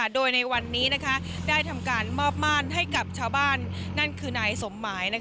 โดยในวันนี้ได้ทำการมอบม่านให้กับชาวบ้านนั่นคือนายสมหมาย